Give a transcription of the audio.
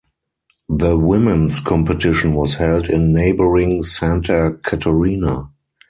The women's competition was held in neighboring Santa Caterina.